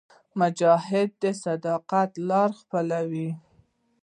مجاهد د صداقت لاره خپلوي.